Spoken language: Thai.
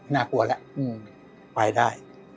น่ากลัวละไปได้